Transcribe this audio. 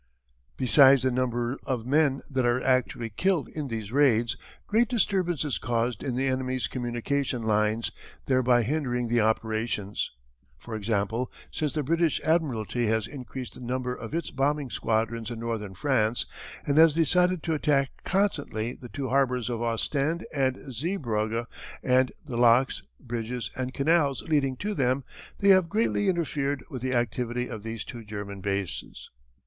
"Besides the number of men that are actually killed in these raids, great disturbance is caused in the enemy's communication lines, thereby hindering the operations. For example, since the British Admiralty has increased the number of its bombing squadrons in northern France and has decided to attack constantly the two harbours of Ostend and Zeebrugge and the locks, bridges, and canals leading to them they have greatly interfered with the activity of these two German bases.